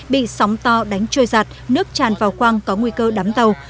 bị sóng to đánh trôi giặt nước tràn vào quang có nguy cơ đám tàu